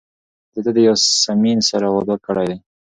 ده د یاسمین سره واده کړی دی.